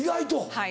はい。